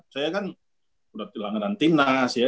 saya kan udah tilangan timnas ya